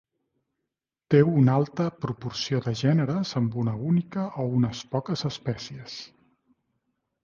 Té una alta proporció de gèneres amb una única o unes poques espècies.